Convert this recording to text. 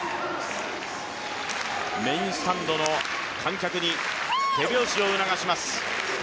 メインスタンドの観客に手拍子を促します。